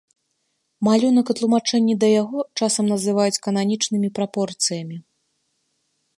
Малюнак і тлумачэнні да яго часам называюць кананічнымі прапорцыямі.